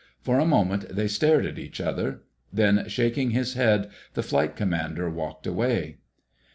For a moment they stared at each other. Then, shaking his head, the Flight Commander walked away.